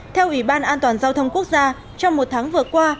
theo ủy ban an toàn giao thông quốc gia trong một tháng vừa qua